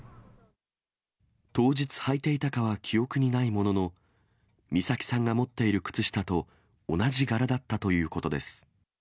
当日、履いていたかは記憶にないものの、美咲さんが持っている靴下と同じ柄だったということです。